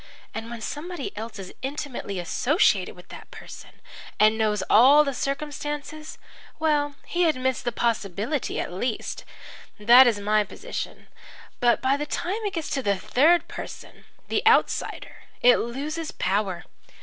And when somebody else is intimately associated with that person and knows all the circumstances well, he admits the possibility, at least. That is my position. But by the time it gets to the third person the outsider it loses power.